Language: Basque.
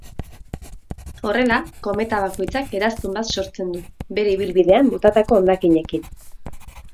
Horrela, kometa bakoitzak eraztun bat sortzen du, bere ibilbidean botatako hondakinekin.